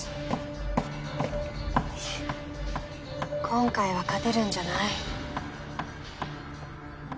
今回は勝てるんじゃない？